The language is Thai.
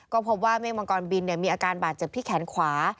ก็พบว่าเมฆมังกรบินมีอาการบาดเจ็บที่แขนขวา